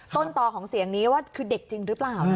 ต้นต่อของเสียงนี้ว่าคือเด็กจริงหรือเปล่า